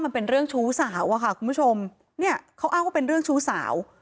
มันเป็นเรื่องชู้สาวอะค่ะคุณผู้ชมเนี่ยเขาอ้างว่าเป็นเรื่องชู้สาว